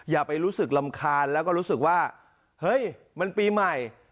อย่าไปรู้สึกรำคาญแล้วก็รู้สึกว่าเฮ้ยมันปีใหม่